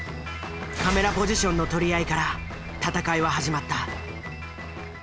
カメラポジションの取り合いから戦いは始まった。